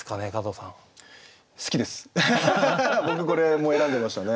僕これも選んでましたね。